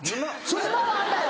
沼はあんだよ！